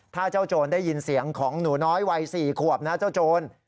ถ้าเจ้าโจรได้ยินเสียงของหนูน้อยวัย๔ขวบนะเจ้าโจร